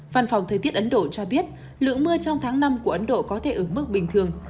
văn phòng thời tiết ấn độ cho biết lượng mưa trong tháng năm của ấn độ có thể ở mức bình thường